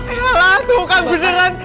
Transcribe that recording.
eh alah tuh kan beneran